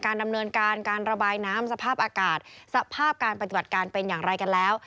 ดำเนินการการระบายน้ำสภาพอากาศสภาพการปฏิบัติการเป็นอย่างไรกันแล้ว